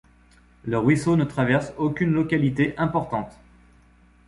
Le ruisseau ne traverse aucune localité importante.